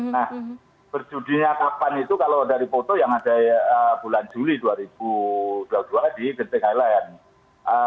nah berjudinya kapan itu kalau dari foto yang ada bulan juli dua ribu dua puluh dua di genting highlight